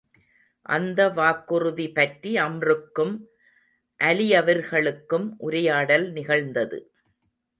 அந்த வாக்குறுதி பற்றி அம்ருக்கும், அலி அவர்களுக்கும் உரையாடல் நிகழ்ந்தது.